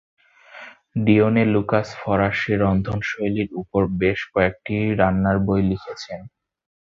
ডিওনে Lucas ফরাসি রন্ধনশৈলীর উপর বেশ কয়েকটি রান্নার বই লিখেছেন।